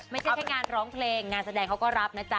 ไม่ใช่แค่งานร้องเพลงงานแสดงเขาก็รับนะจ๊